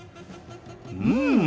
うん。